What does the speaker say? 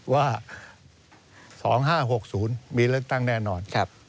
ว่า๒๕๖๐มีเลือกตั้งแน่นอน